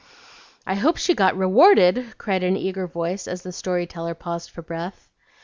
"I hope she got rewarded," cried an eager voice, as the story teller paused for breath.